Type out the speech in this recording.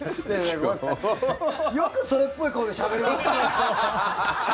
よくそれっぽい声でしゃべれますね。